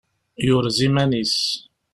Yurez-iman-is.